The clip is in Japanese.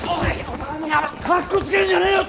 かっこつけんじゃねえよ